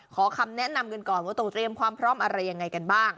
ขอคำแนะนำกันก่อนว่าต้องเตรียมความพร้อมอะไรยังไงกันบ้าง